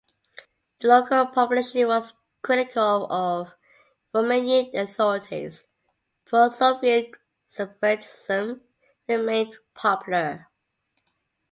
The local population was critical of Romanian authorities; pro-Soviet separatism remained popular.